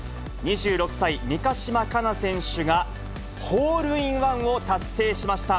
２６歳、三ヶ島かな選手が、ホールインワンを達成しました。